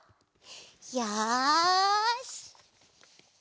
よし！